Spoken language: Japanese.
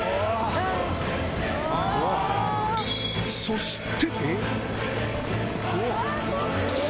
そして！